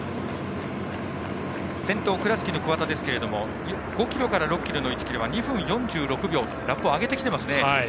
先頭、倉敷の桑田ですけれども５ｋｍから６ｋｍの１ｋｍは２分４６秒とラップを上げてきています。